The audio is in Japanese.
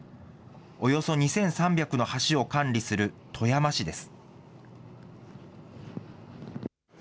およそ２３００の橋を管理する富山市です。